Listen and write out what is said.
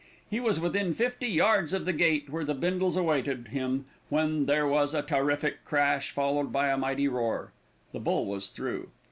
He was within some fifty yards of the gate where the Bindles awaited him, when there was a terrific crash followed by a mighty roar the bull was through.